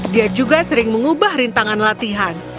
dia juga sering mengubah rintangan latihan